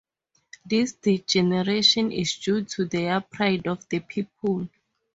This degeneration is due to the pride of the people.